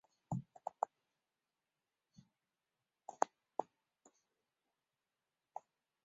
逆向首字母缩略词是英语中一种特殊形式的首字母缩略词。